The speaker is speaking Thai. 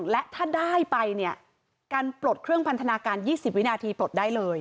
และถ้าได้ไปเนี่ยการปลดเครื่องพันธนาการ๒๐วินาทีปลดได้เลย